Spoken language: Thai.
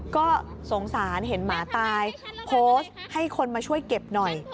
ก็สงสารเห็นหมาตายโพสต์ให้คนมาช่วยเก็บหน่อย